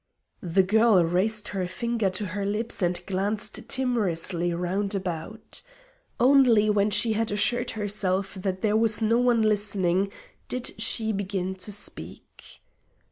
The girl raised her finger to her lips and glanced timorously round about. Only when she had assured herself that there was no one listening did she begin to speak.